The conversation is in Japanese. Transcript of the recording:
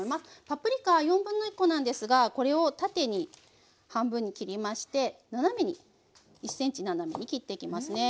パプリカ1/4コなんですがこれを縦に半分に切りまして１ｃｍ斜めに切っていきますね。